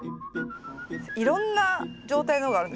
いろんな状態のがあるんですね